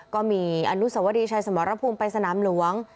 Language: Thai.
ก็มีอนุสวรีชัยสมรภูมิไปสนามหลวง